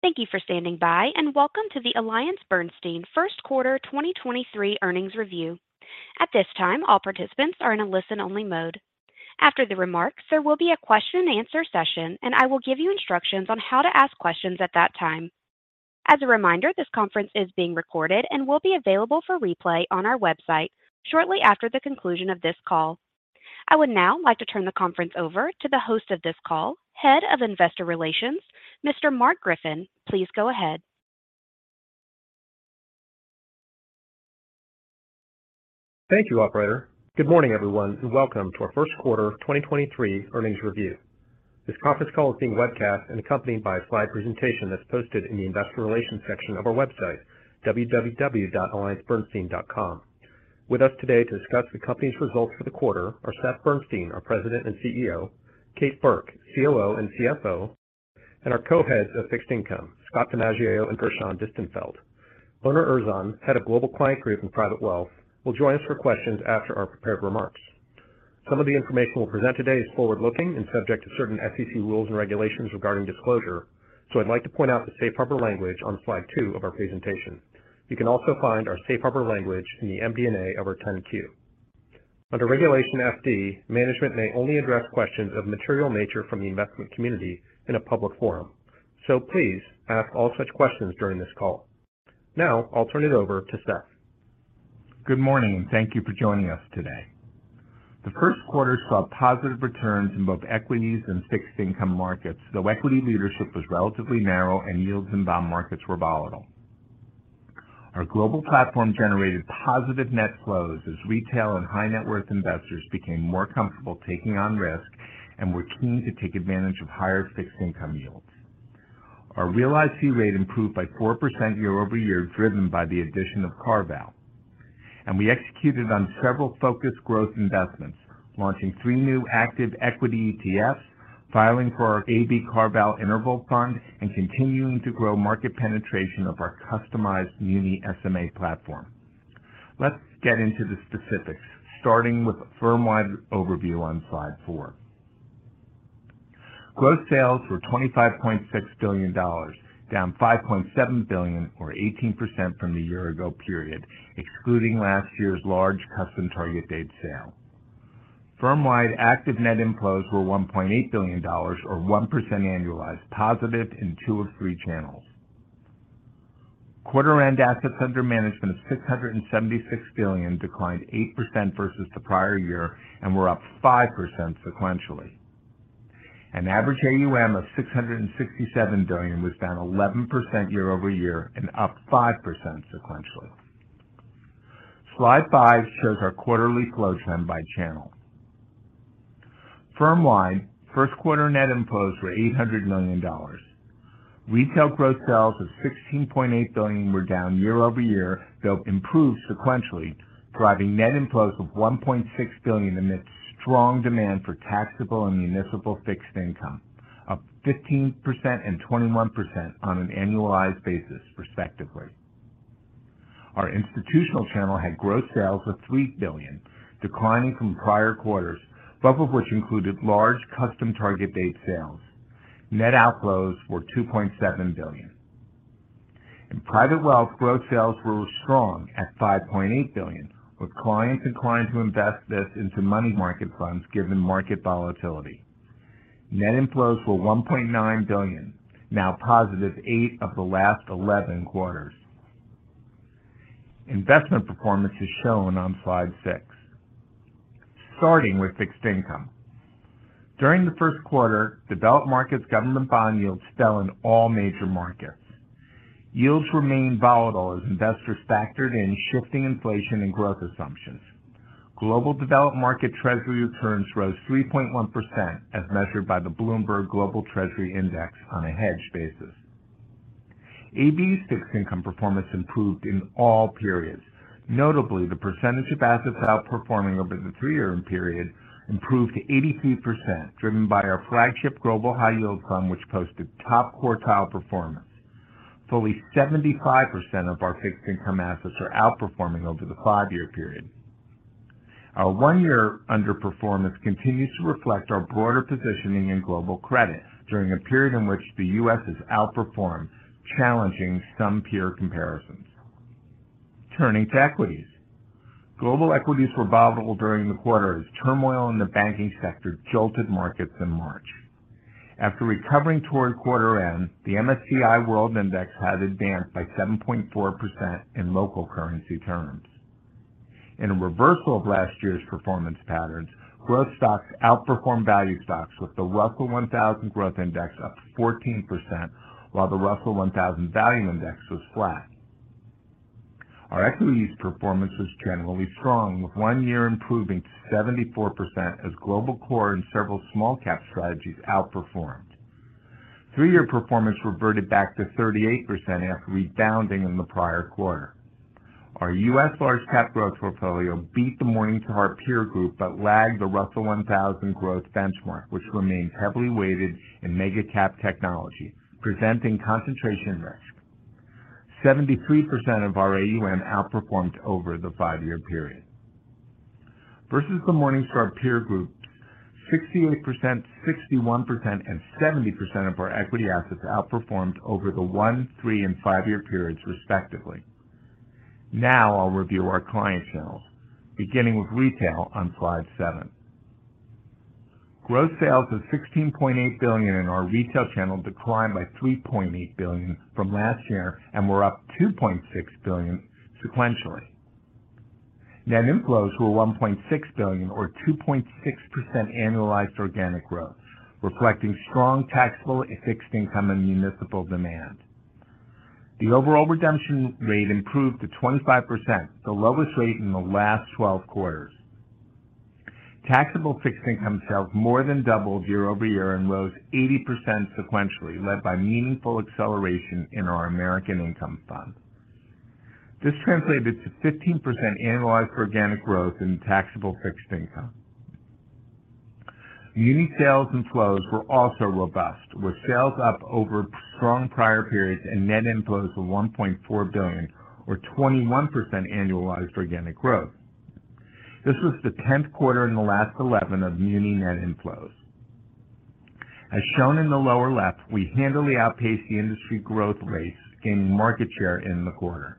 Thank you for standing by. Welcome to the AllianceBernstein First Quarter 2023 Earnings Review. At this time, all participants are in a listen-only mode. After the remarks, there will be a question and answer session, and I will give you instructions on how to ask questions at that time. As a reminder, this conference is being recorded and will be available for replay on our website shortly after the conclusion of this call. I would now like to turn the conference over to the host of this call, Head of Investor Relations, Mr. Mark Griffin. Please go ahead. Thank you, Operator. Good morning, everyone, and welcome to our first quarter 2023 earnings review. This conference call is being webcast and accompanied by a slide presentation that's posted in the Investor Relations section of our website, www.alliancebernstein.com. With us today to discuss the company's results for the quarter are Seth Bernstein, our President and CEO, Kate Burke, COO and CFO, and our Co-Heads of Fixed Income, Scott DiMaggio and Gershon Distenfeld. Onur Erzan, Head of Global Client Group and Private Wealth, will join us for questions after our prepared remarks. Some of the information we'll present today is forward-looking and subject to certain SEC rules and regulations regarding disclosure, so I'd like to point out the safe harbor language on slide two of our presentation. You can also find our safe harbor language in the MD&A of our 10-Q. Under Regulation FD, management may only address questions of material nature from the investment community in a public forum. Please ask all such questions during this call. I'll turn it over to Seth. Good morning, and thank you for joining us today. The first quarter saw positive returns in both equities and fixed income markets, though equity leadership was relatively narrow and yields in bond markets were volatile. Our global platform generated positive net flows as retail and high net worth investors became more comfortable taking on risk and were keen to take advantage of higher fixed income yields. Our realized fee rate improved by 4% year-over-year, driven by the addition of CarVal. We executed on several focused growth investments, launching three new active equity ETFs, filing for our AB CarVal Interval Fund, and continuing to grow market penetration of our customized Muni SMA platform. Let's get into the specifics, starting with a firm-wide overview on slide four. Gross sales were $25.6 billion, down $5.7 billion or 18% from the year ago period, excluding last year's large custom target date sale. Firm-wide active net inflows were $1.8 billion or 1% annualized, positive in two of three channels. Quarter end assets under management of $676 billion declined 8% versus the prior year and were up 5% sequentially. An average AUM of $667 billion was down 11% year-over-year and up 5% sequentially. Slide five shows our quarterly flow trend by channel. Firm-wide, first quarter net inflows were $800 million. Retail gross sales of $16.8 billion were down year-over-year, though improved sequentially, driving net inflows of $1.6 billion amidst strong demand for taxable and municipal Fixed Income, up 15% and 21% on an annualized basis, respectively. Our institutional channel had gross sales of $3 billion, declining from prior quarters, both of which included large custom target date sales. Net outflows were $2.7 billion. In Private Wealth, growth sales were strong at $5.8 billion, with clients inclined to invest this into money market funds given market volatility. Net inflows were $1.9 billion, now positive eight of the last 11 quarters. Investment performance is shown on slide six. Starting with Fixed Income. During the first quarter, developed markets government bond yields fell in all major markets. Yields remained volatile as investors factored in shifting inflation and growth assumptions. Global developed market Treasury returns rose 3.1% as measured by the Bloomberg Global Treasury Index on a hedged basis. AB's Fixed Income performance improved in all periods. Notably, the percentage of assets outperforming over the three-year period improved to 83%, driven by our flagship Global High Yield fund, which posted top quartile performance. Fully 75% of our Fixed Income assets are outperforming over the five-year period. Our one-year underperformance continues to reflect our broader positioning in global credit during a period in which the U.S. has outperformed, challenging some peer comparisons. Turning to equities. Global equities were volatile during the quarter as turmoil in the banking sector jolted markets in March. After recovering toward quarter end, the MSCI World Index had advanced by 7.4% in local currency terms. In a reversal of last year's performance patterns, growth stocks outperformed value stocks, with the Russell 1000 Growth Index up 14%, while the Russell 1000 Value Index was flat. Our equities performance was generally strong, with one year improving to 74% as Global Core Equity and several small cap strategies outperformed. Three-year performance reverted back to 38% after rebounding in the prior quarter. Our US Large Cap Growth portfolio beat the Morningstar peer group but lagged the Russell 1000 Growth benchmark, which remains heavily weighted in mega cap technology, presenting concentration risk. 73% of our AUM outperformed over the five-year period versus the Morningstar peer group, 68%, 61%, and 70% of our equity assets outperformed over the one, three, and five-year periods respectively. I'll review our client channels, beginning with retail on slide seven. Gross sales of $16.8 billion in our retail channel declined by $3.8 billion from last year and were up $2.6 billion sequentially. Net inflows were $1.6 billion or 2.6% annualized organic growth, reflecting strong taxable fixed income and municipal demand. The overall redemption rate improved to 25%, the lowest rate in the last 12 quarters. Taxable fixed income sales more than doubled year-over-year and rose 80% sequentially, led by meaningful acceleration in our American Income Portfolio. This translated to 15% annualized organic growth in taxable fixed income. Muni sales and flows were also robust, with sales up over strong prior periods and net inflows of $1.4 billion, or 21% annualized organic growth. This was the 10th quarter in the last 11 of muni net inflows. As shown in the lower left, we handily outpaced the industry growth rates, gaining market share in the quarter.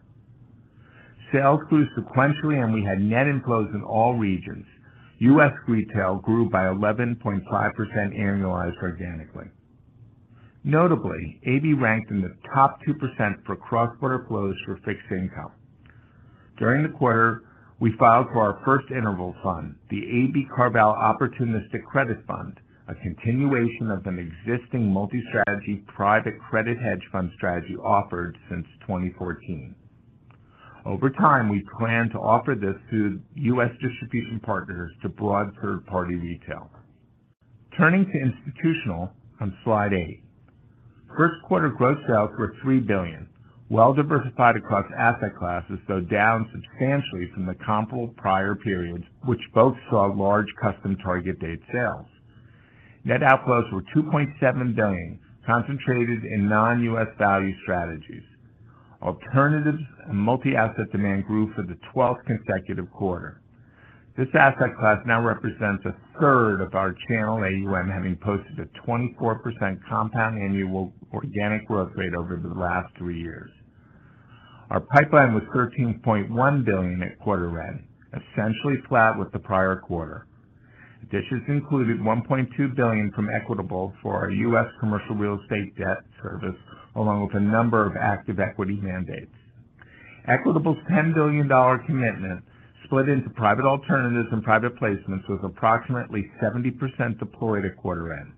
Sales grew sequentially, and we had net inflows in all regions. US retail grew by 11.5% annualized organically. Notably, AB ranked in the top 2% for cross-border flows for fixed income. During the quarter, we filed for our first interval fund, the AB CarVal Opportunistic Credit Fund, a continuation of an existing multi-strategy private credit hedge fund strategy offered since 2014. Over time, we plan to offer this to US distribution partners to broad third-party retail. Turning to institutional on slide eight. First quarter gross sales were $3 billion, well-diversified across asset classes, though down substantially from the comparable prior periods, which both saw large custom target date sales. Net outflows were $2.7 billion, concentrated in non-US value strategies. Alternatives and multi-asset demand grew for the 12th consecutive quarter. This asset class now represents 1/3 of our channel AUM, having posted a 24% compound annual organic growth rate over the last three years. Our pipeline was $13.1 billion at quarter end, essentially flat with the prior quarter. Dishes included $1.2 billion from Equitable for our U.S. commercial real estate debt service, along with a number of active equity mandates. Equitable's $10 billion commitment split into private alternatives and private placements, with approximately 70% deployed at quarter end.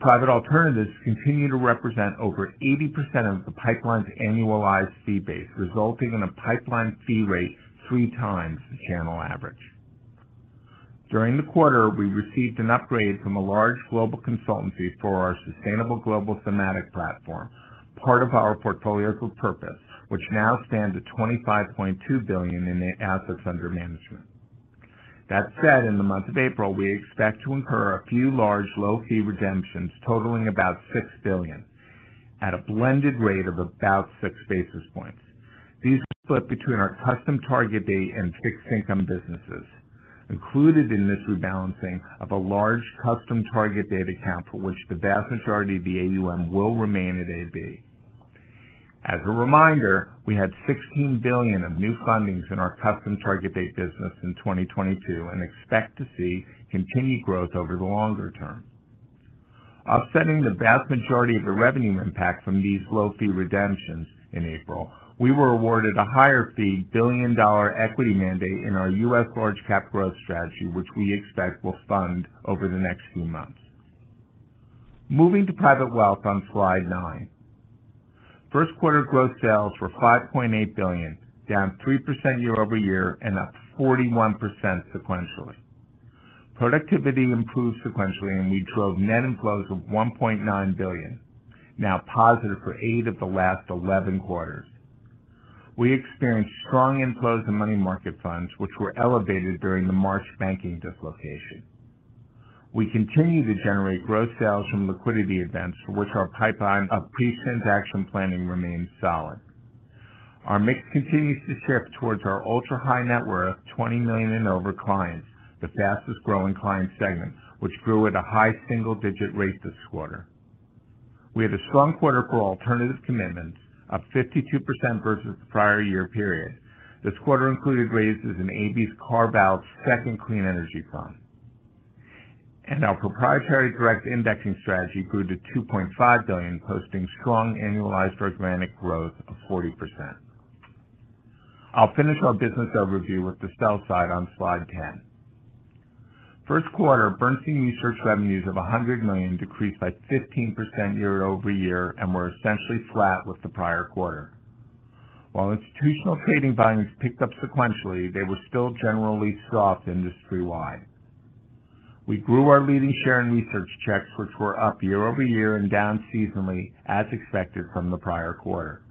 Private alternatives continue to represent over 80% of the pipeline's annualized fee base, resulting in a pipeline fee rate 3x the channel average. During the quarter, we received an upgrade from a large global consultancy for our Sustainable Global Thematic platform, part of our Portfolios with Purpose, which now stands at $25.2 billion in the AUM. In the month of April, we expect to incur a few large low-fee redemptions totaling about $6 billion at a blended rate of about six basis points. These split between our custom target date and fixed income businesses. Included in this rebalancing of a large custom target date account for which the vast majority of the AUM will remain at AB. We had $16 billion of new fundings in our custom target date business in 2022 and expect to see continued growth over the longer term. Offsetting the vast majority of the revenue impact from these low-fee redemptions in April, we were awarded a higher fee billion-dollar equity mandate in our US Large Cap Growth strategy, which we expect will fund over the next few months. Moving to private wealth on slide one. First quarter growth sales were $5.8 billion, down 3% year-over-year and up 41% sequentially. Productivity improved sequentially, and we drove net inflows of $1.9 billion, now positive for eight of the last 11 quarters. We experienced strong inflows in money market funds, which were elevated during the March banking dislocation. We continue to generate growth sales from liquidity events for which our pipeline of pre-transaction planning remains solid. Our mix continues to shift towards our ultra-high net worth, $20 million and over clients, the fastest-growing client segment, which grew at a high single-digit rate this quarter. We had a strong quarter for alternative commitments, up 52% versus the prior year period. This quarter included raises in AB's CarVal second clean energy fund. Our proprietary direct indexing strategy grew to $2.5 billion, posting strong annualized organic growth of 40%. I'll finish our business overview with the sell side on slide 10. First quarter Bernstein Research revenues of $100 million decreased by 15% year-over-year and were essentially flat with the prior quarter. While institutional trading volumes picked up sequentially, they were still generally soft industry-wide. We grew our leading share in research checks, which were up year-over-year and down seasonally as expected from the prior quarter.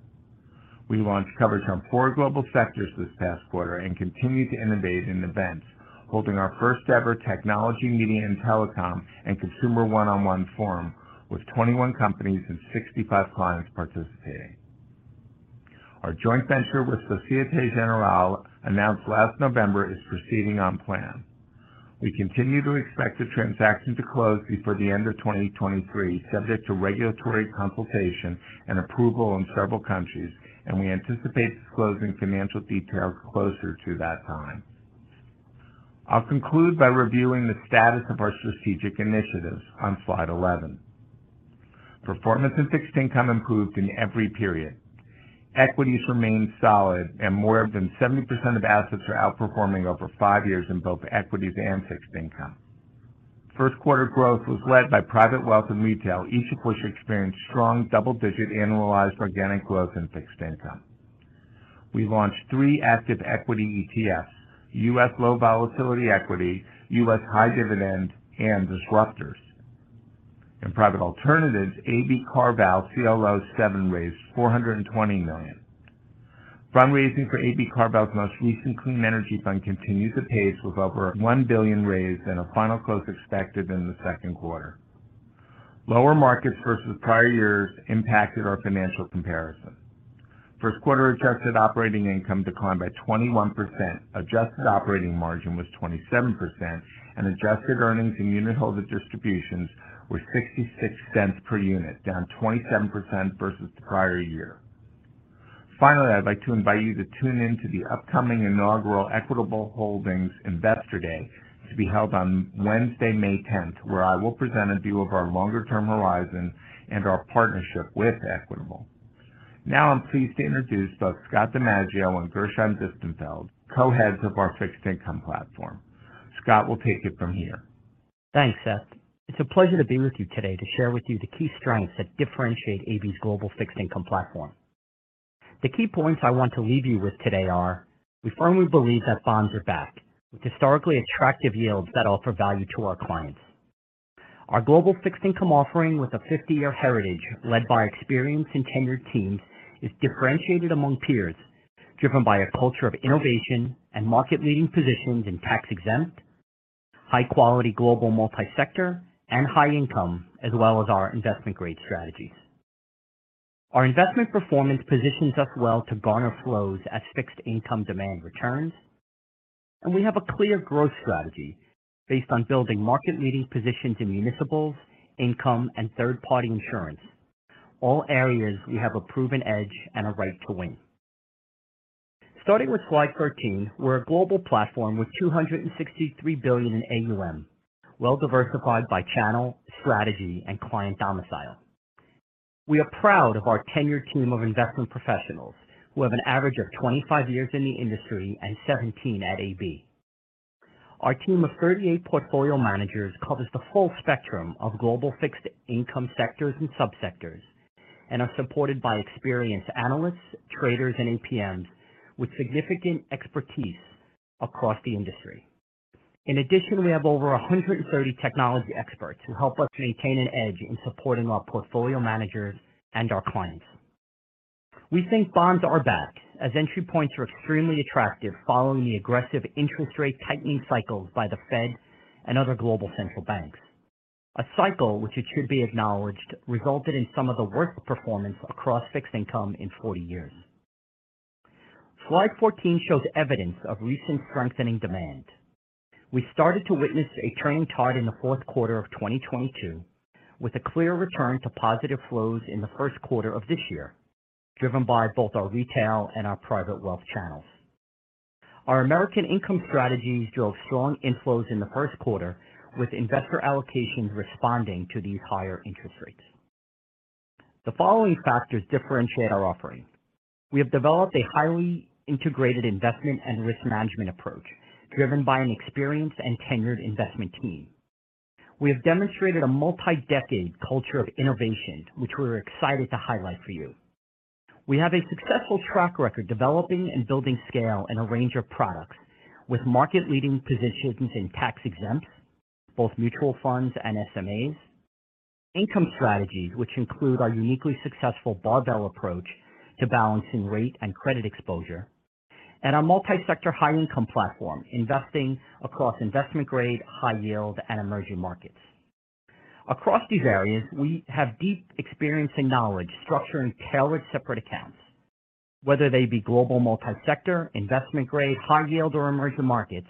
We launched coverage on four global sectors this past quarter and continued to innovate in events, holding our first-ever technology, media, and telecom and consumer one-on-one forum with 21 companies and 65 clients participating. Our joint venture with Societe Generale, announced last November, is proceeding on plan. We continue to expect the transaction to close before the end of 2023, subject to regulatory consultation and approval in several countries, and we anticipate disclosing financial details closer to that time. I'll conclude by reviewing the status of our strategic initiatives on slide 11. Performance and fixed income improved in every period. Equities remained solid and more than 70% of assets are outperforming over five years in both equities and fixed income. First quarter growth was led by private wealth and retail, each of which experienced strong double-digit annualized organic growth in fixed income. We launched three active equity ETFs, US Low Volatility Equity, US High Dividend, and Disruptors. In private alternatives, AB CarVal CLO Seven raised $420 million. Fundraising for AB CarVal's most recent clean energy fund continues apace with over $1 billion raised and a final close expected in the second quarter. Lower markets versus prior years impacted our financial comparison. First quarter adjusted operating income declined by 21%. Adjusted operating margin was 27%, and adjusted earnings and unitholder distributions were $0.66 per unit, down 27% versus the prior year. Finally, I'd like to invite you to tune in to the upcoming inaugural Equitable Holdings Investor Day to be held on Wednesday, May 10th, where I will present a view of our longer-term horizon and our partnership with Equitable. Now I'm pleased to introduce both Scott DiMaggio and Gershon Distenfeld, co-heads of our fixed income platform. Scott will take it from here. Thanks, Seth. It's a pleasure to be with you today to share with you the key strengths that differentiate AB's global fixed income platform. The key points I want to leave you with today are, we firmly believe that bonds are back with historically attractive yields that offer value to our clients. Our global fixed income offering with a 50-year heritage led by experienced and tenured teams is differentiated among peers, driven by a culture of innovation and market-leading positions in tax-exempt, high quality global multi-sector, and high-income, as well as our investment grade strategies. Our investment performance positions us well to garner flows as fixed income demand returns. We have a clear growth strategy based on building market-leading positions in municipals, income, and third-party insurance. All areas we have a proven edge and a right to win. Starting with slide 13, we're a global platform with $263 billion in AUM, well diversified by channel, strategy, and client domicile. We are proud of our tenured team of investment professionals who have an average of 25 years in the industry and 17 at AB. Our team of 38 portfolio managers covers the full spectrum of global fixed income sectors and sub-sectors and are supported by experienced analysts, traders, and APMs with significant expertise across the industry. In addition, we have over 130 technology experts who help us maintain an edge in supporting our portfolio managers and our clients. We think bonds are back as entry points are extremely attractive following the aggressive interest rate tightening cycles by the Fed and other global central banks. A cycle which it should be acknowledged, resulted in some of the worst performance across fixed income in 40 years. Slide 14 shows evidence of recent strengthening demand. We started to witness a turning tide in the fourth quarter of 2022, with a clear return to positive flows in the first quarter of this year, driven by both our retail and our private wealth channels. Our American Income strategies drove strong inflows in the first quarter, with investor allocations responding to these higher interest rates. The following factors differentiate our offering. We have developed a highly integrated investment and risk management approach driven by an experienced and tenured investment team. We have demonstrated a multi-decade culture of innovation, which we're excited to highlight for you. We have a successful track record developing and building scale in a range of products with market-leading positions in tax-exempt, both mutual funds and SMAs. Income strategies, which include our uniquely successful barbell approach to balancing rate and credit exposure, and our multi-sector high income platform investing across investment grade, high yield, and emerging markets. Across these areas, we have deep experience and knowledge structuring tailored separate accounts, whether they be global multi-sector, investment grade, high yield, or emerging markets,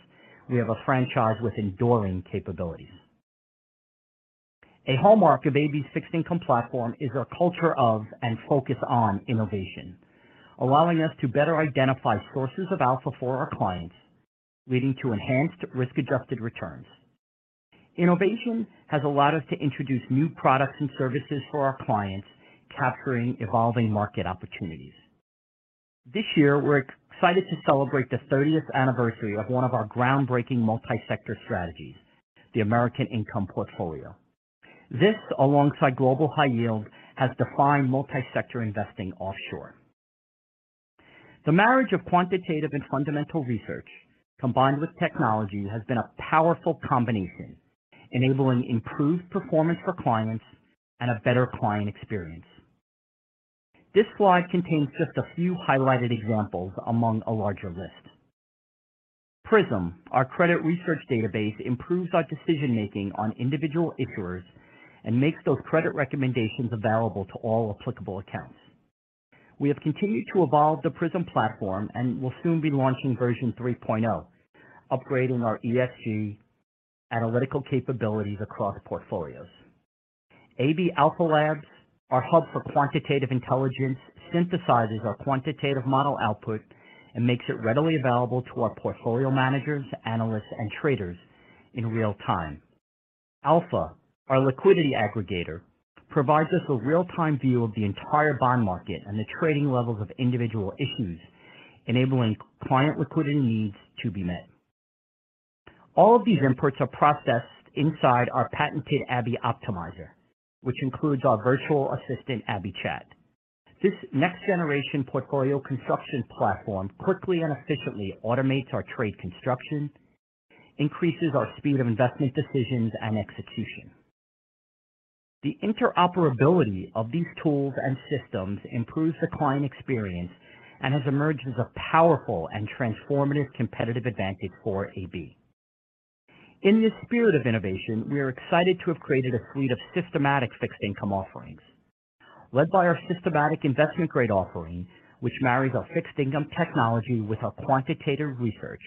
we have a franchise with enduring capabilities. A hallmark of AB's fixed income platform is our culture of and focus on innovation, allowing us to better identify sources of alpha for our clients, leading to enhanced risk-adjusted returns. Innovation has allowed us to introduce new products and services for our clients, capturing evolving market opportunities. This year, we're excited to celebrate the 30th anniversary of one of our groundbreaking multi-sector strategies, the American Income Portfolio. This, alongside Global High Yield, has defined multi-sector investing offshore. The marriage of quantitative and fundamental research, combined with technology, has been a powerful combination, enabling improved performance for clients and a better client experience. This slide contains just a few highlighted examples among a larger list. PRISM, our credit research database, improves our decision-making on individual issuers and makes those credit recommendations available to all applicable accounts. We have continued to evolve the PRISM platform and will soon be launching version 3.0, upgrading our ESG analytical capabilities across portfolios. AB Alpha Labs, our hub for quantitative intelligence, synthesizes our quantitative model output and makes it readily available to our portfolio managers, analysts, and traders in real time. ALFA our liquidity aggregator, provides us a real-time view of the entire bond market and the trading levels of individual issues, enabling client liquidity needs to be met. All of these inputs are processed inside our patented AbbieOptimizer, which includes our virtual assistant, Abbie Chat. This next-generation portfolio construction platform quickly and efficiently automates our trade construction, increases our speed of investment decisions and execution. The interoperability of these tools and systems improves the client experience and has emerged as a powerful and transformative competitive advantage for AB. In this spirit of innovation, we are excited to have created a suite of systematic fixed income offerings. Led by our systematic Investment Grade offering, which marries our fixed income technology with our quantitative research,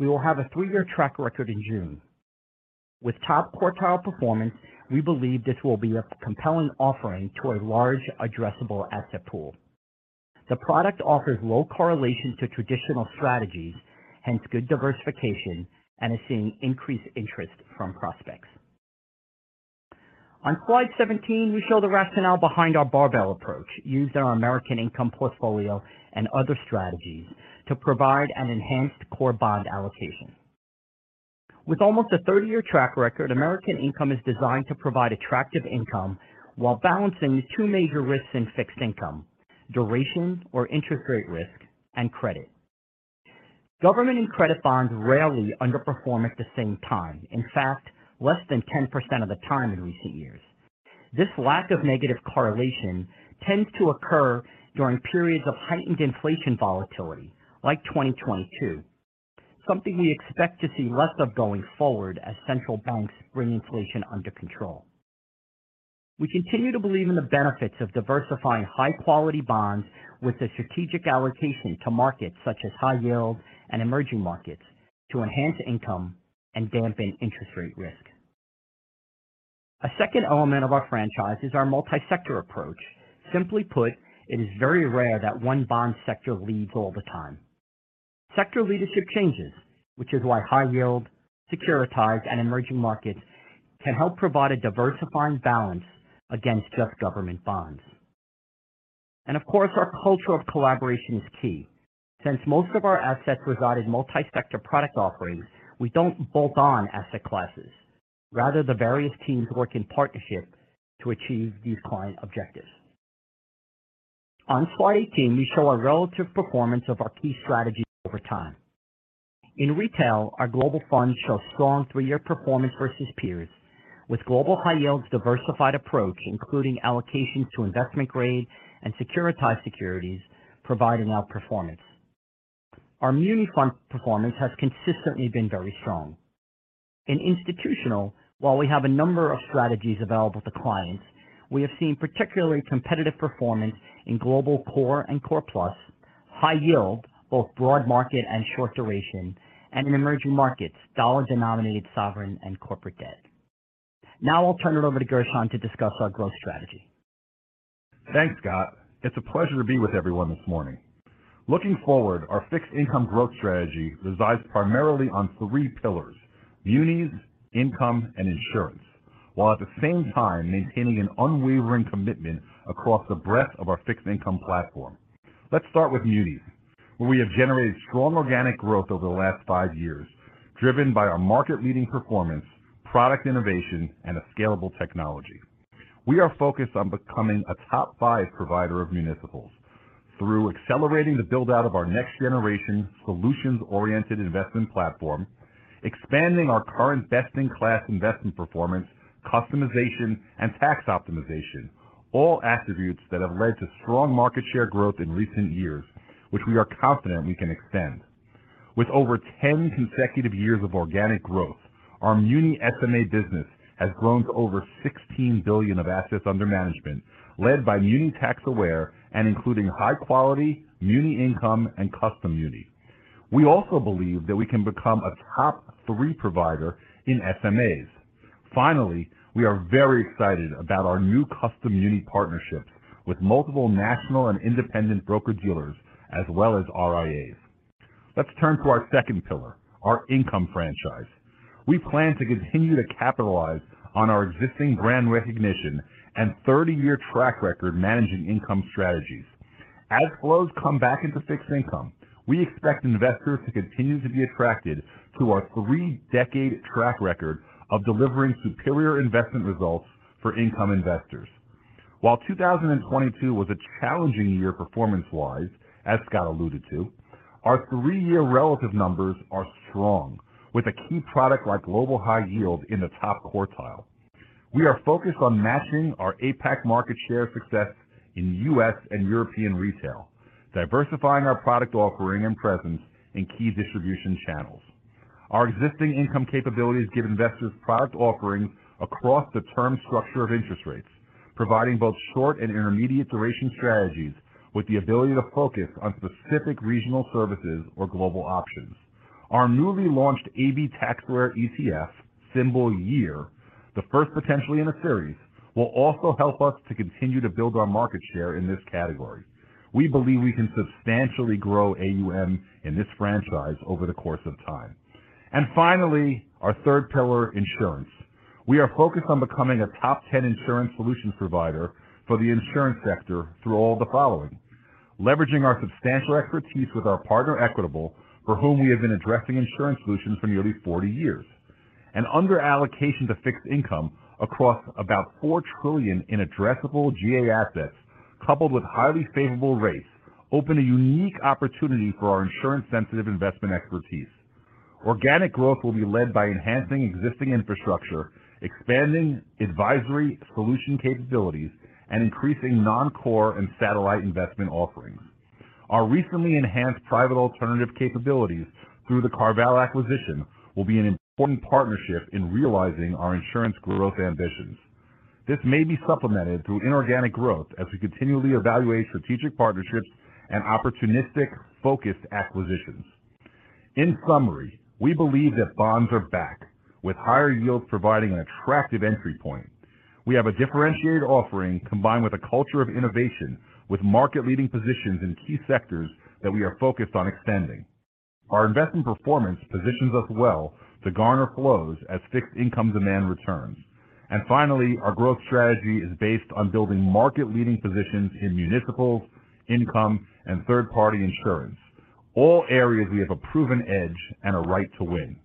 we will have a three-year track record in June. With top quartile performance, we believe this will be a compelling offering to a large addressable asset pool. The product offers low correlation to traditional strategies, hence good diversification, and is seeing increased interest from prospects. On slide 17, we show the rationale behind our barbell approach used in our American Income Portfolio and other strategies to provide an enhanced core bond allocation. With almost a 30-year track record, American Income is designed to provide attractive income while balancing two major risks in fixed income, duration or interest rate risk and credit. Government and credit bonds rarely underperform at the same time. In fact, less than 10% of the time in recent years. This lack of negative correlation tends to occur during periods of heightened inflation volatility, like 2022, something we expect to see less of going forward as central banks bring inflation under control. We continue to believe in the benefits of diversifying high-quality bonds with a strategic allocation to markets such as high yield and emerging markets to enhance income and dampen interest rate risk. A second element of our franchise is our multi-sector approach. Simply put, it is very rare that one bond sector leads all the time. Sector leadership changes, which is why high yield, securitized, and emerging markets can help provide a diversifying balance against just government bonds. Of course, our culture of collaboration is key. Since most of our assets reside in multi-sector product offerings, we don't bolt on asset classes. Rather, the various teams work in partnership to achieve these client objectives. On slide 18, we show our relative performance of our key strategies over time. In retail, our global funds show strong three-year performance versus peers, with Global High Yield's diversified approach, including allocations to investment grade and securitized securities providing outperformance. Our muni fund performance has consistently been very strong. In institutional, while we have a number of strategies available to clients, we have seen particularly competitive performance in Global Core Equity and core plus, high yield, both broad market and short duration, and in emerging markets, dollar-denominated sovereign and corporate debt. Now I'll turn it over to Gershon to discuss our growth strategy. Thanks, Scott. It's a pleasure to be with everyone this morning. Looking forward, our fixed income growth strategy resides primarily on three pillars: munis, income, and insurance, while at the same time maintaining an unwavering commitment across the breadth of our fixed income platform. Let's start with munis, where we have generated strong organic growth over the last five years, driven by our market-leading performance, product innovation, and a scalable technology. We are focused on becoming a top five provider of municipals through accelerating the build-out of our next-generation, solutions-oriented investment platform, expanding our current best-in-class investment performance, customization, and tax optimization, all attributes that have led to strong market share growth in recent years, which we are confident we can extend. With over 10 consecutive years of organic growth, our Muni SMA business has grown to over $16 billion of assets under management, led by Muni Tax-Aware and including High Quality Muni Income and Custom Muni. We also believe that we can become a Top 3 provider in SMAs. We are very excited about our new Custom Muni partnerships with multiple national and independent broker-dealers as well as RIAs. Let's turn to our second pillar, our income franchise. We plan to continue to capitalize on our existing brand recognition and 30-year track record managing income strategies. As flows come back into fixed income, we expect investors to continue to be attracted to our 3-decade track record of delivering superior investment results for income investors. While 2022 was a challenging year performance-wise, as Scott alluded to, our three-year relative numbers are strong, with a key product like Global High Yield in the top quartile. We are focused on matching our APAC market share success in U.S. and European retail, diversifying our product offering and presence in key distribution channels. Our existing income capabilities give investors product offerings across the term structure of interest rates, providing both short and intermediate duration strategies with the ability to focus on specific regional services or global options. Our newly launched AB Ultra Short Income ETF, symbol YEAR, the first potentially in a series, will also help us to continue to build our market share in this category. We believe we can substantially grow AUM in this franchise over the course of time. Finally, our third pillar, insurance. We are focused on becoming a top 10 insurance solution provider for the insurance sector through all the following. Leveraging our substantial expertise with our partner, Equitable, for whom we have been addressing insurance solutions for nearly 40 years. An under-allocation to fixed income across about $4 trillion in addressable GA assets coupled with highly favorable rates open a unique opportunity for our insurance-sensitive investment expertise. Organic growth will be led by enhancing existing infrastructure, expanding advisory solution capabilities, and increasing non-core and satellite investment offerings. Our recently enhanced private alternative capabilities through the CarVal acquisition will be an important partnership in realizing our insurance growth ambitions. This may be supplemented through inorganic growth as we continually evaluate strategic partnerships and opportunistic focused acquisitions. In summary, we believe that bonds are back with higher yields providing an attractive entry point. We have a differentiated offering combined with a culture of innovation with market-leading positions in key sectors that we are focused on extending. Our investment performance positions us well to garner flows as fixed income demand returns. Finally, our growth strategy is based on building market-leading positions in municipals, income, and third-party insurance, all areas we have a proven edge and a right to win.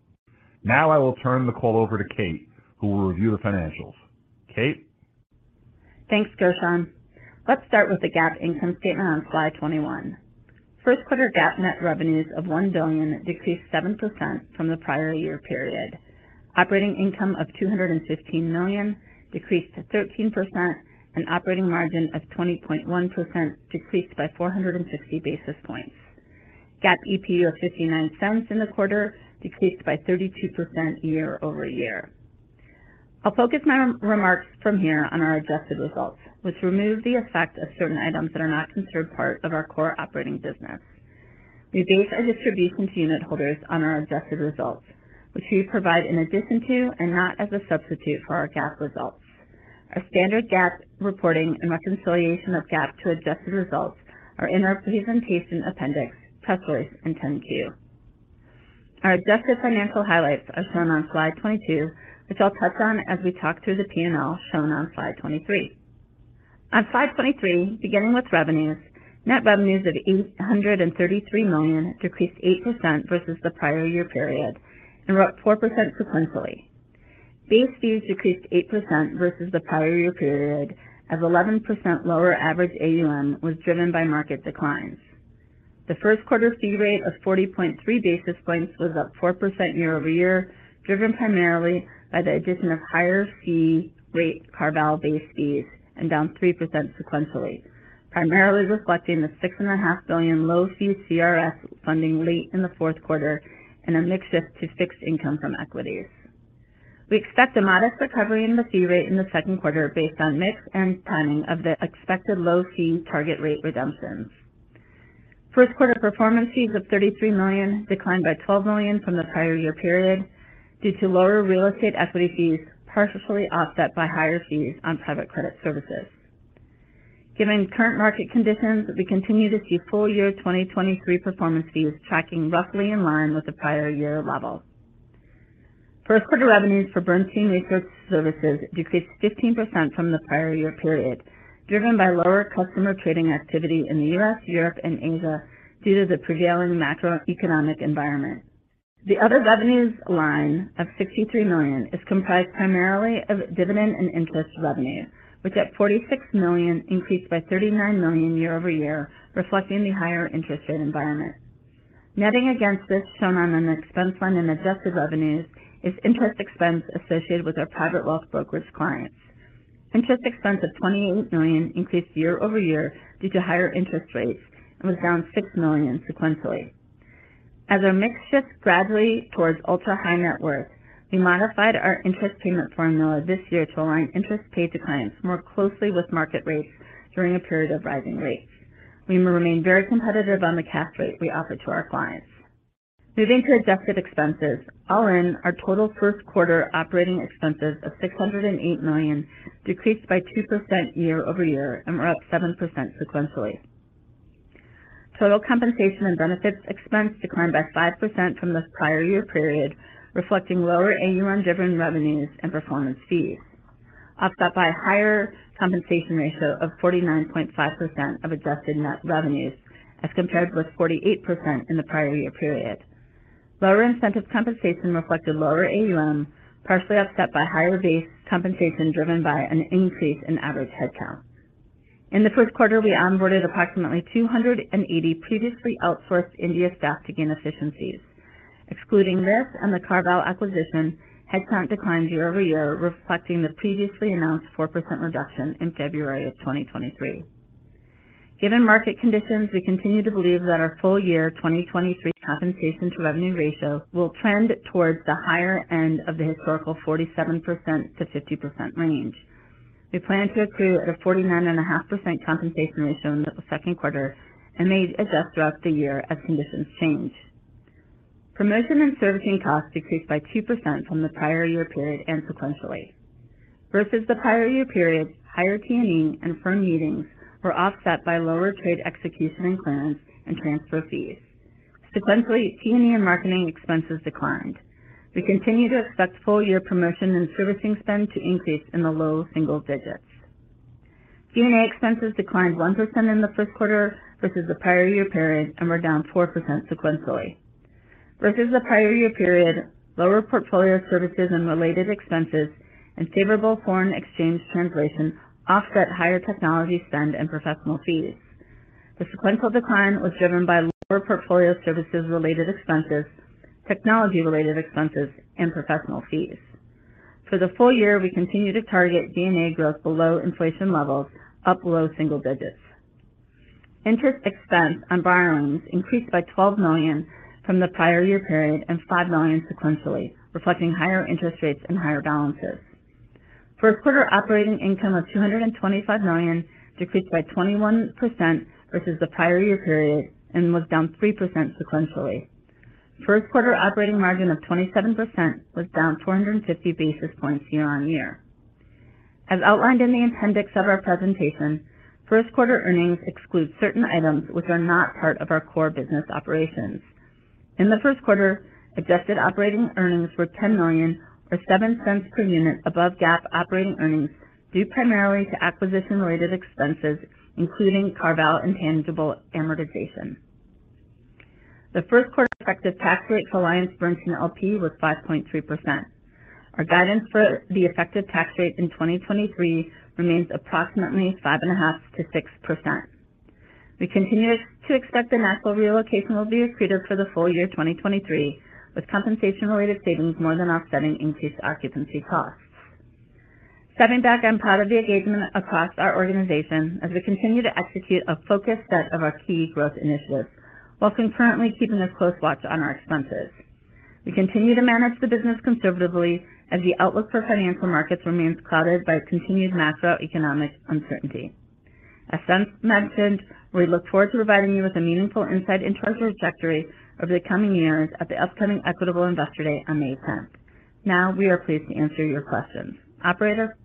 Now I will turn the call over to Kate, who will review the financials. Kate? Thanks, Gershon. Let's start with the GAAP income statement on slide 21. First quarter GAAP net revenues of $1 billion decreased 7% from the prior year period. Operating income of $215 million decreased 13% and operating margin of 20.1% decreased by 450 basis points. GAAP EP of $0.59 in the quarter decreased by 32% year-over-year. I'll focus my remarks from here on our adjusted results, which remove the effect of certain items that are not considered part of our core operating business. We base our distribution to unit holders on our adjusted results, which we provide in addition to and not as a substitute for our GAAP results. Our standard GAAP reporting and reconciliation of GAAP to adjusted results are in our presentation appendix, press release, and 10-Q. Our adjusted financial highlights are shown on slide 22, which I'll touch on as we talk through the P&L shown on slide 23. On slide 23, beginning with revenues, net revenues of $833 million decreased 8% versus the prior year period and were up 4% sequentially. Base fees decreased 8% versus the prior year period as 11% lower average AUM was driven by market declines. The first quarter fee rate of 40.3 basis points was up 4% year-over-year, driven primarily by the addition of higher fee rate CarVal base fees and down 3% sequentially, primarily reflecting the $6.5 billion low fee CRS funding late in the fourth quarter and a mix shift to fixed income from equities. We expect a modest recovery in the fee rate in the second quarter based on mix and timing of the expected low fee target rate redemptions. First quarter performance fees of $33 million declined by $12 million from the prior year period due to lower real estate equity fees, partially offset by higher fees on private credit services. Given current market conditions, we continue to see full year 2023 performance fees tracking roughly in line with the prior year levels. First quarter revenues for Bernstein Research services decreased 15% from the prior year period, driven by lower customer trading activity in the US, Europe, and Asia due to the prevailing macroeconomic environment. The other revenues line of $63 million is comprised primarily of dividend and interest revenue, which at $46 million increased by $39 million year-over-year, reflecting the higher interest rate environment. Netting against this shown on an expense line in adjusted revenues is interest expense associated with our private wealth brokerage clients. Interest expense of $28 million increased year-over-year due to higher interest rates and was down $6 million sequentially. As our mix shifts gradually towards ultra-high net worth, we modified our interest payment formula this year to align interest paid to clients more closely with market rates during a period of rising rates. We remain very competitive on the cash rate we offer to our clients. Moving to adjusted expenses, all in, our total first quarter operating expenses of $608 million decreased by 2% year-over-year and were up 7% sequentially. Total compensation and benefits expense declined by 5% from the prior year period, reflecting lower AUM-driven revenues and performance fees, offset by a higher compensation ratio of 49.5% of adjusted net revenues as compared with 48% in the prior year period. Lower incentive compensation reflected lower AUM, partially offset by higher base compensation driven by an increase in average headcount. In the first quarter, we onboarded approximately 280 previously outsourced India staff to gain efficiencies. Excluding this and the CarVal acquisition, headcount declined year-over-year, reflecting the previously announced 4% reduction in February of 2023. Given market conditions, we continue to believe that our full year 2023 compensation to revenue ratio will trend towards the higher end of the historical 47%-50% range. We plan to accrue at a 49.5% compensation ratio in the second quarter and may adjust throughout the year as conditions change. Promotion and servicing costs decreased by 2% from the prior year period and sequentially. Versus the prior year period, higher P&E and firm meetings were offset by lower trade execution and clearance and transfer fees. Sequentially, P&E and marketing expenses declined. We continue to expect full year promotion and servicing spend to increase in the low single digits. G&A expenses declined 1% in the first quarter versus the prior year period and were down 4% sequentially. Versus the prior year period, lower portfolio services and related expenses and favorable foreign exchange translation offset higher technology spend and professional fees. The sequential decline was driven by lower portfolio services related expenses, technology related expenses and professional fees. For the full year, we continue to target G&A growth below inflation levels, up low single digits. Interest expense on borrowings increased by $12 million from the prior year period and $5 million sequentially, reflecting higher interest rates and higher balances. First quarter operating income of $225 million decreased by 21% versus the prior year period and was down 3% sequentially. First quarter operating margin of 27% was down 250 basis points year-on-year. As outlined in the appendix of our presentation, first quarter earnings exclude certain items which are not part of our core business operations. In the first quarter, adjusted operating earnings were $10 million or $0.07 per unit above GAAP operating earnings due primarily to acquisition related expenses, including CarVal intangible amortization. The first quarter effective tax rate for AllianceBernstein L.P. was 5.3%. Our guidance for the effective tax rate in 2023 remains approximately 5.5%-6%. We continue to expect the Nashville relocation will be accretive for the full year 2023, with compensation related savings more than offsetting increased occupancy costs. Stepping back, I'm proud of the engagement across our organization as we continue to execute a focused set of our key growth initiatives while concurrently keeping a close watch on our expenses. We continue to manage the business conservatively as the outlook for financial markets remains clouded by continued macroeconomic uncertainty. As Seth mentioned, we look forward to providing you with a meaningful insight into our trajectory over the coming years at the upcoming Equitable Investor Day on May 10th. We are pleased to answer your questions. Operator.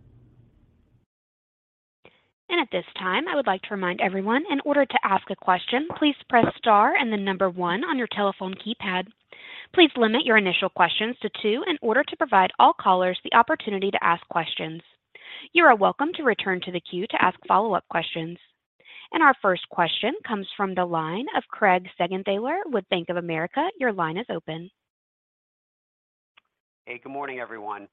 At this time, I would like to remind everyone in order to ask a question, please press star and one on your telephone keypad. Please limit your initial questions to two in order to provide all callers the opportunity to ask questions. You are welcome to return to the queue to ask follow-up questions. Our first question comes from the line of Craig Siegenthaler with Bank of America. Your line is open. Hey, good morning, everyone.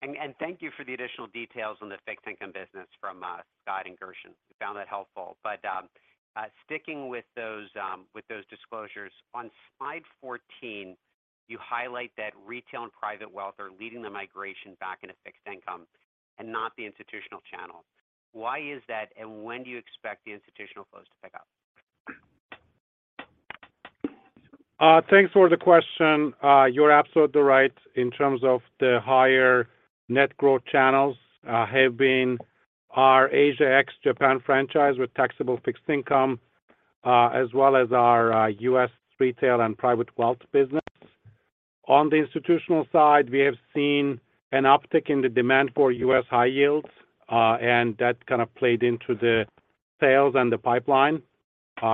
And thank you for the additional details on the fixed income business from Scott and Gershon. We found that helpful. Sticking with those disclosures, on slide 14, you highlight that retail and private wealth are leading the migration back into fixed income and not the institutional channel. Why is that? When do you expect the institutional flows to pick up? Thanks for the question. You're absolutely right in terms of the higher net growth channels have been our Asia ex-Japan franchise with taxable fixed income, as well as our U.S. retail and private wealth business. On the institutional side, we have seen an uptick in the demand for U.S. high yields, and that kind of played into the sales and the pipeline.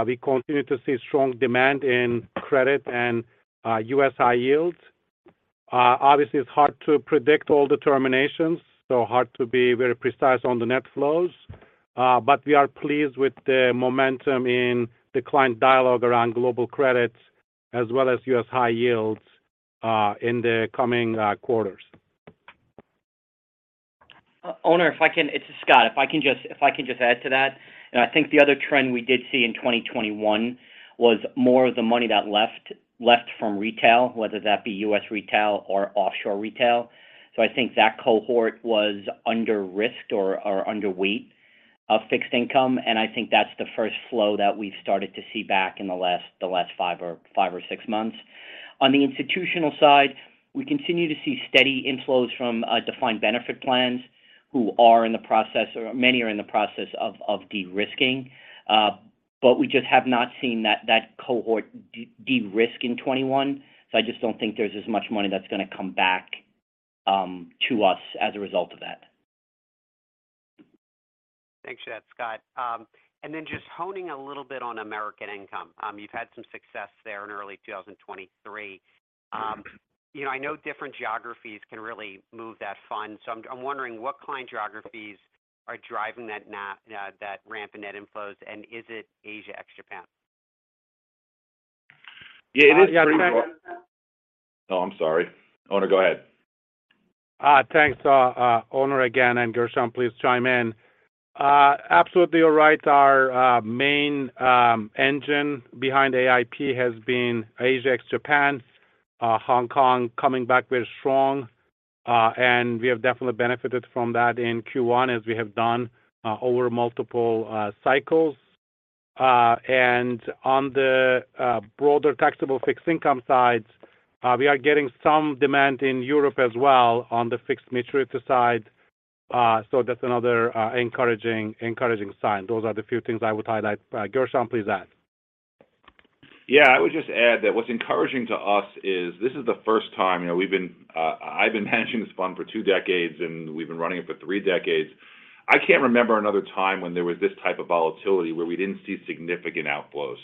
We continue to see strong demand in credit and U.S. high yields. Obviously it's hard to predict all determinations, so hard to be very precise on the net flows, but we are pleased with the momentum in the client dialogue around global credits as well as U.S. high yields in the coming quarters. Onur, if I can. It's Scott. If I can just add to that. You know, I think the other trend we did see in 2021 was more of the money that left from retail, whether that be U.S. retail or offshore retail. I think that cohort was under-risked or underweight of fixed income, and I think that's the first flow that we've started to see back in the last five or six months. On the institutional side, we continue to see steady inflows from defined benefit plans who are in the process or many are in the process of de-risking. We just have not seen that cohort de-risk in 2021. I just don't think there's as much money that's going to come back to us as a result of that. Thanks for that, Scott. Just honing a little bit on American Income. You've had some success there in early 2023. You know, I know different geographies can really move that fund. I'm wondering what client geographies are driving that ramp in net inflows, is it Asia ex-Japan? Yeah, it is. Yeah, thanks- Oh, I'm sorry. Onur, go ahead. Thanks, Onur again, and Gershon, please chime in. Absolutely you're right. Our main engine behind AIP has been Asia ex Japan, Hong Kong coming back very strong. We have definitely benefited from that in Q1 as we have done over multiple cycles. On the broader taxable fixed income sides, we are getting some demand in Europe as well on the fixed maturity side. That's another encouraging sign. Those are the few things I would highlight. Gershon, please add. I would just add that what's encouraging to us is this is the first time, you know, I've been managing this fund for two decades, and we've been running it for three decades. I can't remember another time when there was this type of volatility where we didn't see significant outflows.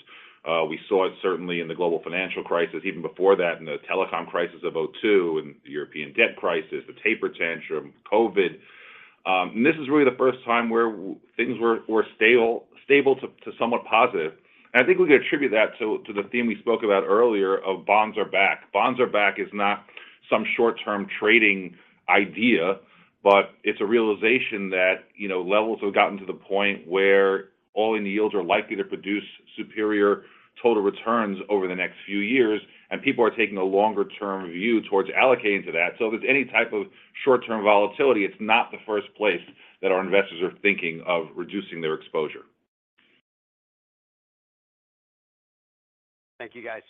We saw it certainly in the global financial crisis, even before that in the telecom crisis of 2002 and the European debt crisis, the taper tantrum, COVID. This is really the first time where things were stable to somewhat positive. I think we can attribute that to the theme we spoke about earlier of bonds are back. Bonds are back is not some short-term trading idea, but it's a realization that, you know, levels have gotten to the point where all-in yields are likely to produce superior total returns over the next few years, and people are taking a longer-term view towards allocating to that. If there's any type of short-term volatility, it's not the first place that our investors are thinking of reducing their exposure. Thank you, guys.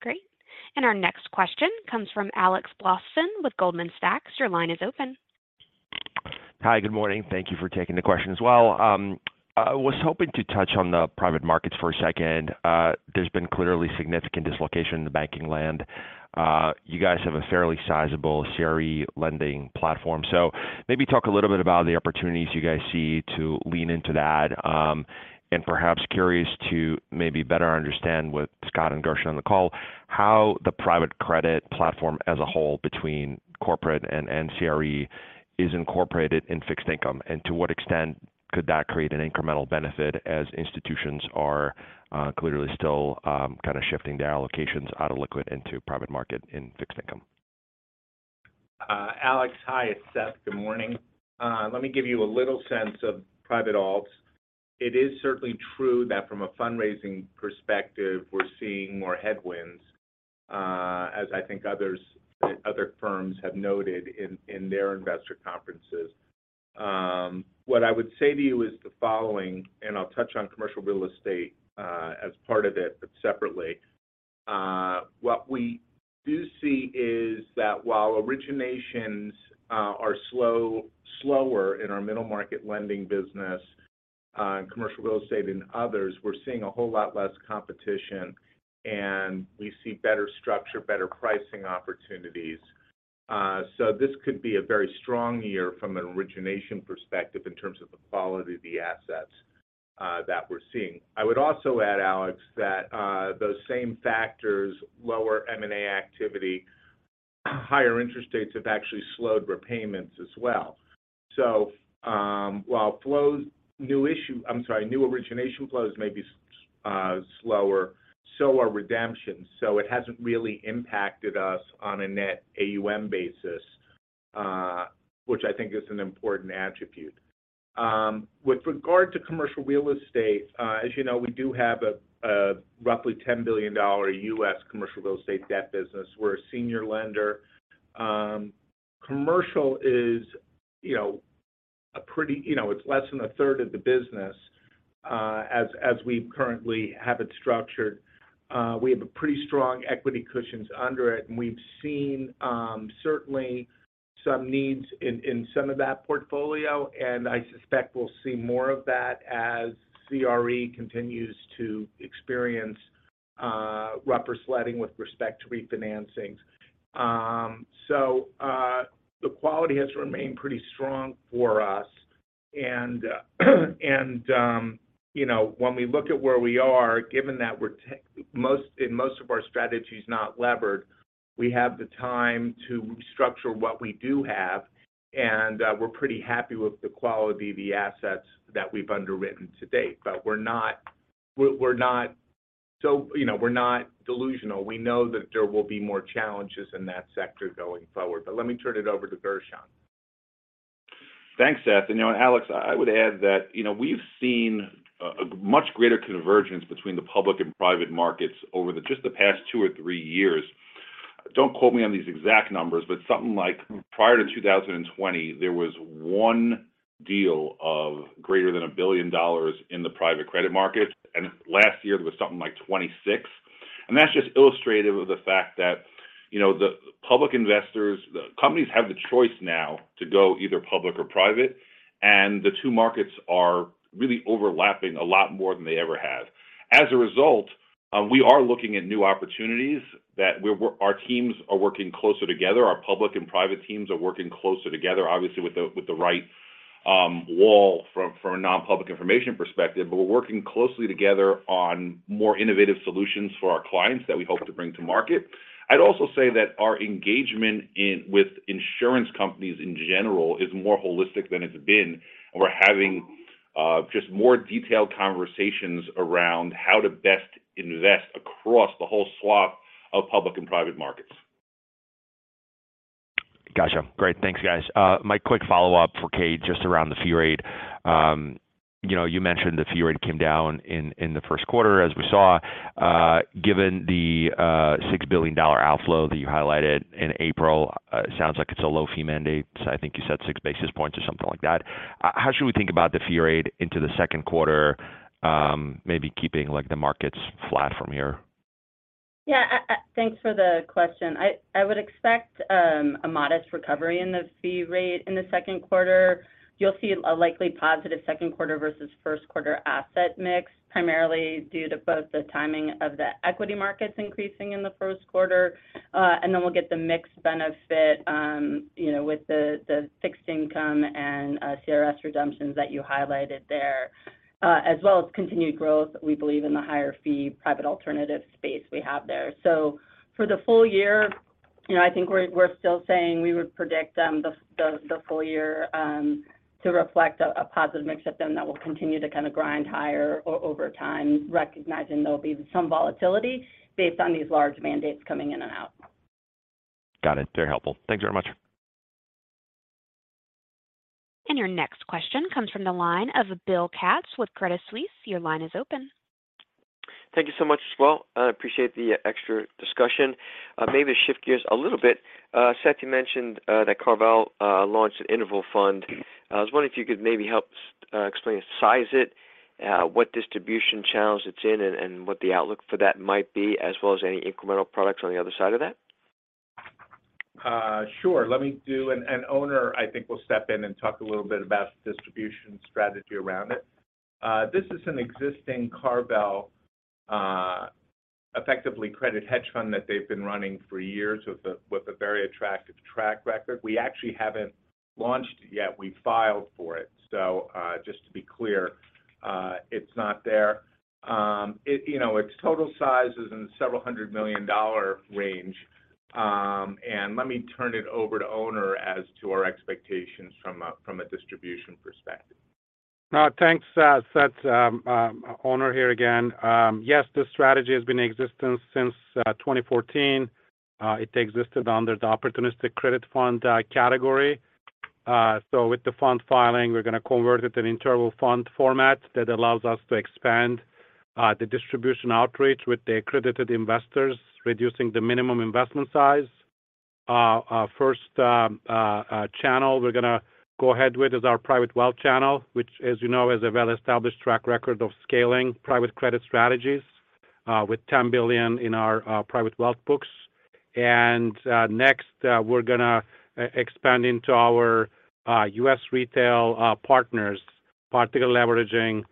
Great. Our next question comes from Alex Blostein with Goldman Sachs. Your line is open. Hi. Good morning. Thank you for taking the question as well. I was hoping to touch on the private markets for a second. There's been clearly significant dislocation in the banking land. You guys have a fairly sizable CRE lending platform. Maybe talk a little bit about the opportunities you guys see to lean into that. Perhaps curious to maybe better understand with Scott and Gershon on the call, how the private credit platform as a whole between corporate and CRE is incorporated in fixed income, and to what extent could that create an incremental benefit as institutions are clearly still kind of shifting their allocations out of liquid into private market in fixed income. Alex, hi. It's Seth. Good morning. Let me give you a little sense of private alts. It is certainly true that from a fundraising perspective, we're seeing more headwinds, as I think other firms have noted in their investor conferences. What I would say to you is the following, and I'll touch on commercial real estate, as part of it, but separately. What we do see is that while originations, are slower in our middle market lending business, in commercial real estate than others, we're seeing a whole lot less competition, and we see better structure, better pricing opportunities. This could be a very strong year from an origination perspective in terms of the quality of the assets, that we're seeing. I would also add, Alex, that those same factors, lower M&A activity, higher interest rates have actually slowed repayments as well. While flows, new origination flows may be slower, so are redemptions. It hasn't really impacted us on a net AUM basis, which I think is an important attribute. With regard to commercial real estate, as you know, we do have a roughly $10 billion U.S. commercial real estate debt business. We're a senior lender. Commercial is, you know, a, you know, it's less than a third of the business as we currently have it structured. We have a pretty strong equity cushions under it, and we've seen, certainly some needs in some of that portfolio, and I suspect we'll see more of that as CRE continues to experience, rubber sledding with respect to refinancings. The quality has remained pretty strong for us. you know, when we look at where we are, given that we're most in most of our strategies not levered, we have the time to structure what we do have, and we're pretty happy with the quality of the assets that we've underwritten to date. we're not so, you know, we're not delusional. We know that there will be more challenges in that sector going forward. Let me turn it over to Gershon. Thanks, Seth. You know what, Alex, I would add that, you know, we've seen a much greater convergence between the public and private markets over the just the past two or three years. Don't quote me on these exact numbers, but something like prior to 2020, there was one deal of greater than $1 billion in the private credit market. Last year there was something like 26. That's just illustrative of the fact that, you know, the public investors, the companies have the choice now to go either public or private, and the two markets are really overlapping a lot more than they ever have. As a result, we are looking at new opportunities that our teams are working closer together. Our public and private teams are working closer together, obviously with the right wall from a non-public information perspective. We're working closely together on more innovative solutions for our clients that we hope to bring to market. I'd also say that our engagement with insurance companies in general is more holistic than it's been. We're having- Just more detailed conversations around how to best invest across the whole swath of public and private markets. Gotcha. Great. Thanks, guys. My quick follow-up for Kate, just around the fee rate. You know, you mentioned the fee rate came down in the first quarter, as we saw. Given the $6 billion outflow that you highlighted in April, sounds like it's a low fee mandate. I think you said six basis points or something like that. How should we think about the fee rate into the second quarter, maybe keeping, like, the markets flat from here? Thanks for the question. I would expect a modest recovery in the fee rate in the second quarter. You'll see a likely positive second quarter versus first quarter asset mix, primarily due to both the timing of the equity markets increasing in the first quarter, and then we'll get the mix benefit, you know, with the fixed income and CRS redemptions that you highlighted there, as well as continued growth, we believe in the higher fee private alternative space we have there. For the full year, you know, I think we're still saying we would predict the full year to reflect a positive mix shift then that will continue to kind of grind higher over time, recognizing there'll be some volatility based on these large mandates coming in and out. Got it. Very helpful. Thanks very much. Your next question comes from the line of Bill Katz with Credit Suisse. Your line is open. Thank you so much as well. I appreciate the extra discussion. Maybe to shift gears a little bit, Seth, you mentioned that CarVal launched an interval fund. I was wondering if you could maybe help explain, size it, what distribution channels it's in and what the outlook for that might be, as well as any incremental products on the other side of that. Sure. Let me do. Onur, I think, will step in and talk a little bit about the distribution strategy around it. This is an existing CarVal, effectively credit hedge fund that they've been running for years with a very attractive track record. We actually haven't launched it yet. We filed for it. Just to be clear, it's not there. You know, its total size is in the $ several hundred million range. Let me turn it over to Onur as to our expectations from a distribution perspective. Thanks, Seth. Onur here again. Yes, this strategy has been in existence since 2014. It existed under the Opportunistic Credit Fund category. With the fund filing, we're gonna convert it to an interval fund format that allows us to expand the distribution outreach with the accredited investors, reducing the minimum investment size. Our first channel we're gonna go ahead with is our private wealth channel, which, as you know, has a well-established track record of scaling private credit strategies with $10 billion in our private wealth books. Next, we're gonna expand into our US retail partners, particularly leveraging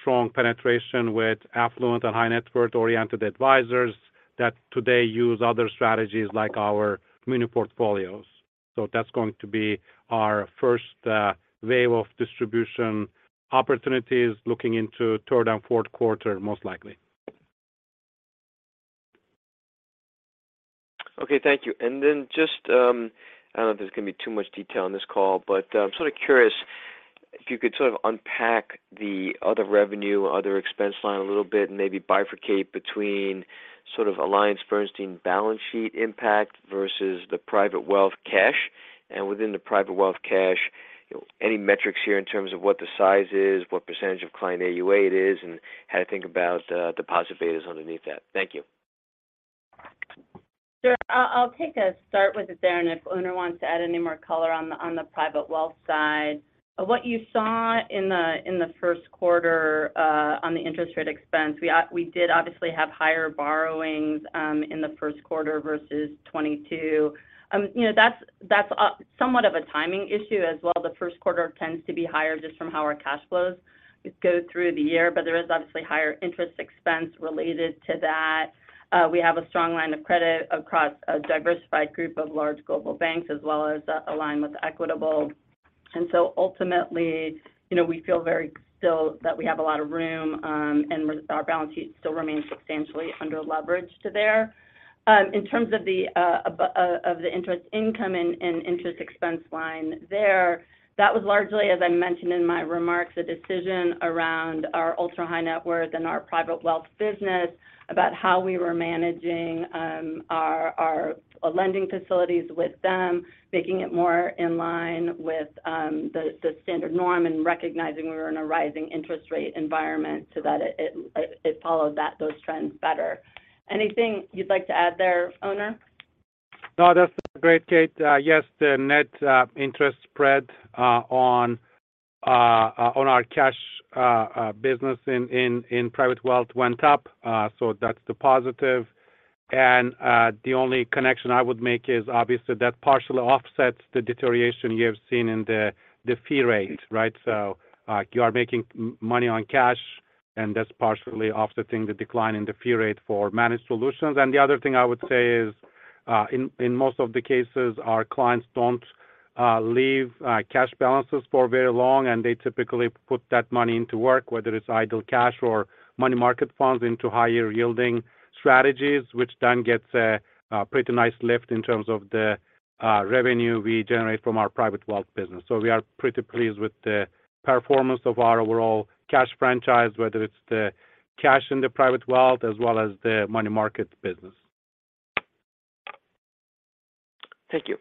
strong penetration with affluent and high net worth-oriented advisors that today use other strategies like our custom portfolios. That's going to be our first wave of distribution opportunities looking into third and fourth quarter, most likely. Okay. Thank you. Just, I don't know if there's gonna be too much detail on this call, but I'm sort of curious if you could sort of unpack the other revenue, other expense line a little bit and maybe bifurcate between sort of AllianceBernstein balance sheet impact versus the private wealth cash. Within the private wealth cash, any metrics here in terms of what the size is, what percentage of client AUA it is, and how to think about deposit betas underneath that? Thank you. Sure. I'll take a start with it there, and if Onur wants to add any more color on the, on the private wealth side. What you saw in the, in the first quarter, on the interest rate expense, we did obviously have higher borrowings, in the first quarter versus 2022. You know, that's somewhat of a timing issue as well. The first quarter tends to be higher just from how our cash flows go through the year, but there is obviously higher interest expense related to that. We have a strong line of credit across a diversified group of large global banks as well as a line with Equitable. Ultimately, you know, we feel very still that we have a lot of room, and our balance sheet still remains substantially under leveraged to there. In terms of the interest income and interest expense line there, that was largely, as I mentioned in my remarks, a decision around our ultra-high net worth and our private wealth business about how we were managing, our lending facilities with them, making it more in line with, the standard norm and recognizing we were in a rising interest rate environment so that it followed those trends better. Anything you'd like to add there, Onur? No, that's great, Kate. Yes, the net interest spread on our cash business in private wealth went up, so that's the positive. The only connection I would make is obviously that partially offsets the deterioration you have seen in the fee rate, right? You are making money on cash, and that's partially offsetting the decline in the fee rate for managed solutions. The other thing I would say is. In most of the cases, our clients don't leave cash balances for very long, and they typically put that money into work, whether it's idle cash or money market funds into higher yielding strategies, which then gets a pretty nice lift in terms of the revenue we generate from our private wealth business. We are pretty pleased with the performance of our overall cash franchise, whether it's the cash in the private wealth as well as the money market business. Thank you.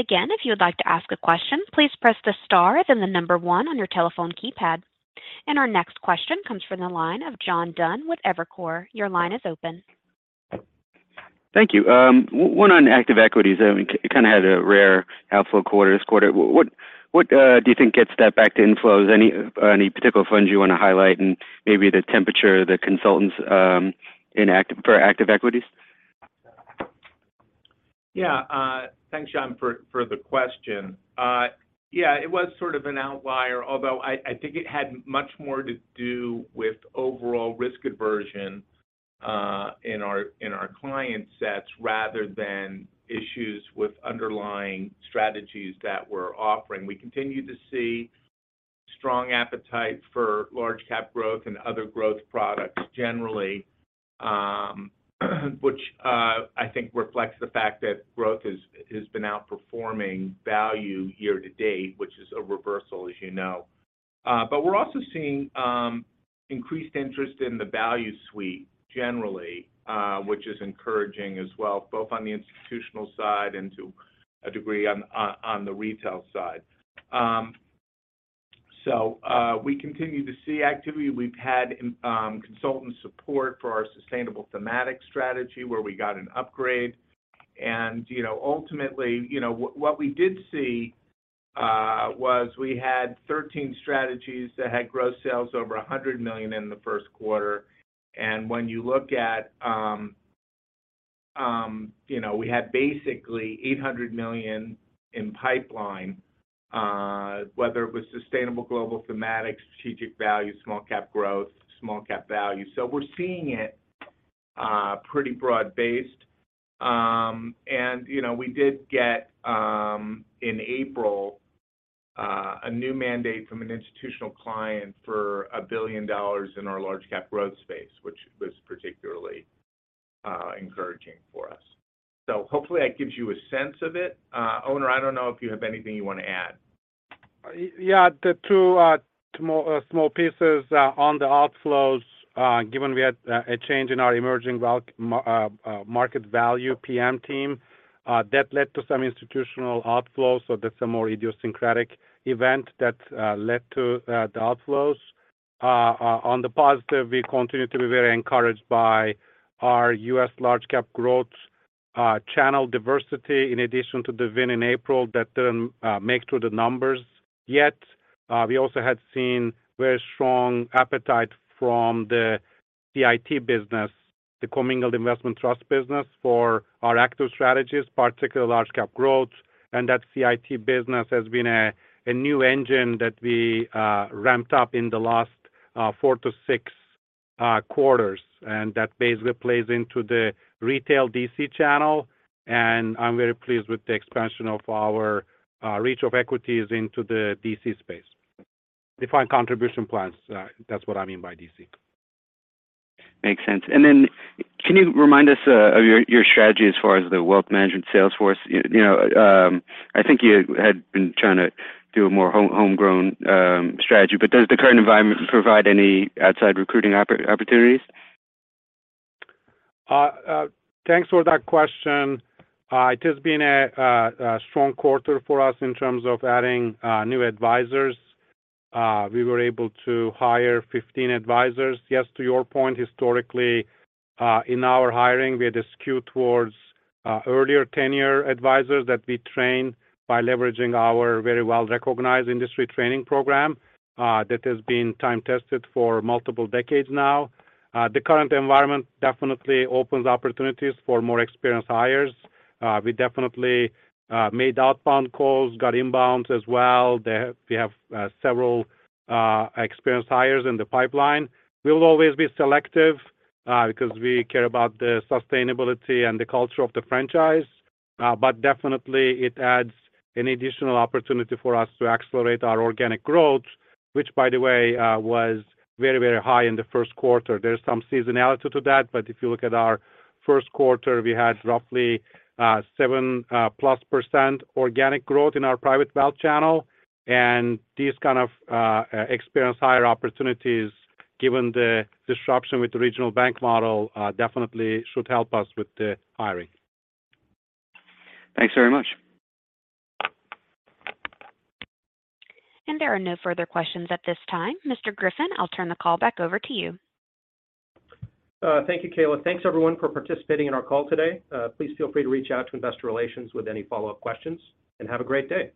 Again, if you would like to ask a question, please press the star, then the number one on your telephone keypad. Our next question comes from the line of John Dunn with Evercore. Your line is open. Thank you. One on active equities. I mean, kind of had a rare outflow quarter this quarter. What do you think gets that back to inflows? Any particular funds you wanna highlight and maybe the temperature of the consultants for active equities? Yeah. Thanks, John, for the question. Yeah, it was sort of an outlier, although I think it had much more to do with overall risk aversion, in our client sets rather than issues with underlying strategies that we're offering. We continue to see strong appetite for large cap growth and other growth products generally, which I think reflects the fact that growth has been outperforming value year to date, which is a reversal, as you know. We're also seeing increased interest in the value suite generally, which is encouraging as well, both on the institutional side and to a degree on the retail side. We continue to see activity. We've had consultant support for our Sustainable Thematic strategy, where we got an upgrade. you know, ultimately, you know, what we did see, was we had 13 strategies that had gross sales over $100 million in the first quarter. When you look at, you know, we had basically $800 million in pipeline, whether it was Sustainable Global Thematic, Strategic Value, Small Cap Growth, Small Cap Value. We're seeing it pretty broad-based. you know, we did get in April a new mandate from an institutional client for $1 billion in our Large Cap Growth space, which was particularly encouraging for us. Hopefully that gives you a sense of it. Onur, I don't know if you have anything you wanna add. Yeah. The two more small pieces on the outflows, given we had a change in our emerging wealth market value PM team, that led to some institutional outflows. That's a more idiosyncratic event that led to the outflows. On the positive, we continue to be very encouraged by our US Large Cap Growth channel diversity in addition to the win in April that didn't make to the numbers yet. We also had seen very strong appetite from the CIT business, the Collective Investment Trust business, for our active strategies, particularly Large Cap Growth. That CIT business has been a new engine that we ramped up in the last four to six quarters. That basically plays into the retail DC channel, and I'm very pleased with the expansion of our reach of equities into the DC space. Defined contribution plans, that's what I mean by DC. Makes sense. Can you remind us of your strategy as far as the wealth management sales force? You know, I think you had been trying to do a more homegrown strategy, but does the current environment provide any outside recruiting opportunities? Thanks for that question. It has been a strong quarter for us in terms of adding new advisors. We were able to hire 15 advisors. Yes, to your point, historically, in our hiring, we had a skew towards earlier tenure advisors that we train by leveraging our very well-recognized industry training program that has been time tested for multiple decades now. The current environment definitely opens opportunities for more experienced hires. We definitely made outbound calls, got inbounds as well. We have several experienced hires in the pipeline. We'll always be selective because we care about the sustainability and the culture of the franchise. Definitely it adds an additional opportunity for us to accelerate our organic growth, which by the way, was very, very high in the first quarter. There's some seasonality to that, but if you look at our first quarter, we had roughly, 7%+ organic growth in our private wealth channel. These kind of, experienced hire opportunities, given the disruption with the regional bank model, definitely should help us with the hiring. Thanks very much. There are no further questions at this time. Mr. Griffin, I'll turn the call back over to you. Thank you, Kayla. Thanks everyone for participating in our call today. Please feel free to reach out to investor relations with any follow-up questions, and have a great day.